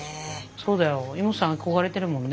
そうだよイモトさん憧れてるもんね。